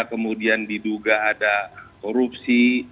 kemudian diduga ada korupsi